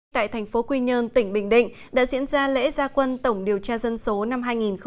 tại thành phố quy nhơn tỉnh bình định đã diễn ra lễ gia quân tổng điều tra dân số năm hai nghìn một mươi chín